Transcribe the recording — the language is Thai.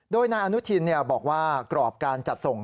โดยนายอนุทินบอกว่ากรอบการจัดส่ง